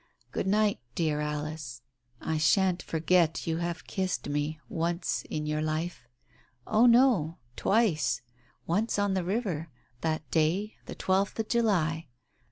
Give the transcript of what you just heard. "Good night, dear Alice, I shan't forget you have kissed me — once in your life. Oh, no, twice ; once on the river — that day, the twelfth of July.